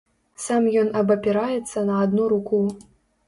Сам ён абапіраецца на адну руку.